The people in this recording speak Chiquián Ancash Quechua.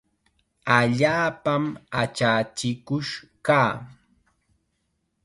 Allaapam achachikush kaa.